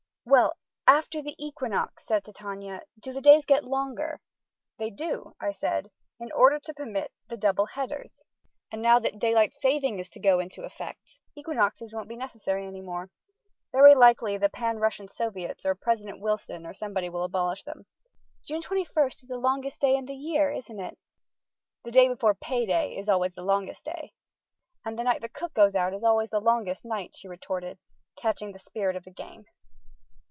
"Well, after the equinox," said Titania, "do the days get longer?" "They do," I said; "in order to permit the double headers. And now that daylight saving is to go into effect, equinoxes won't be necessary any more. Very likely the pan Russian Soviets, or President Wilson, or somebody, will abolish them." "June 21 is the longest day in the year, isn't it?" "The day before pay day is always the longest day." "And the night the cook goes out is always the longest night," she retorted, catching the spirit of the game.